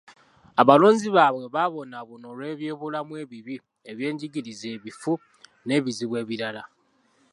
Abalonzi baabwe babonaabona olw’ebyobulamu ebibi, ebyenjigiriza ebifu n’ebizibu ebirala.